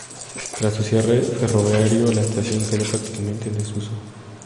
Tras su cierre ferroviario, la estación quedó prácticamente en desuso.